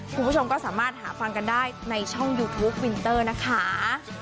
คุณผู้ชมก็สามารถหาฟังกันได้ในช่องยูทูปวินเตอร์นะคะ